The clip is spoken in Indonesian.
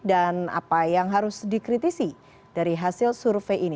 dan apa yang harus dikritisi dari hasil survei ini